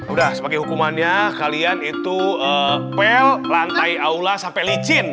udah sebagai hukumannya kalian itu pel lantai aula sampai licin